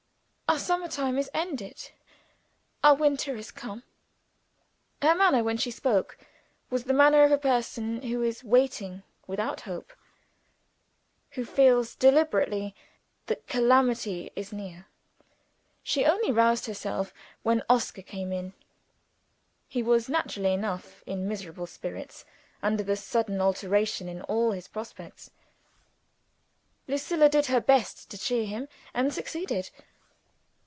"Our summer time is ended; our winter is come." Her manner, while she spoke, was the manner of a person who is waiting without hope who feels deliberately that calamity is near. She only roused herself when Oscar came in. He was, naturally enough, in miserable spirits, under the sudden alteration in all his prospects. Lucilla did her best to cheer him, and succeeded.